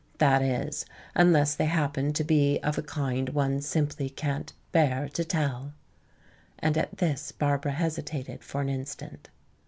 That is, unless they happen to be of a kind one simply can't bear to tell." And at this Barbara hesitated for an instant.